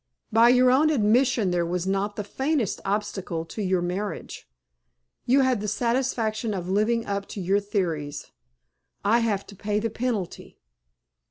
By your own admission there was not the faintest obstacle to your marriage. You had the satisfaction of living up to your theories, I have to pay the penalty."